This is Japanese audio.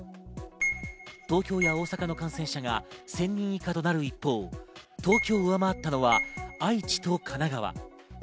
東京や大阪の感染者が１０００人以下となる一方、東京を上回ったのは愛知と神奈川。